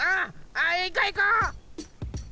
あいこいこう！